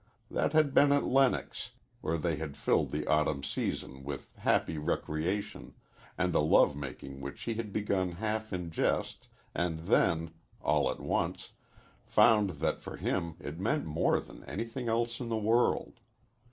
That had been at Lenox, where they had filled the autumn season with happy recreation, and a love making which he had begun half in jest and then, all at once, found that for him it meant more than anything else in the world.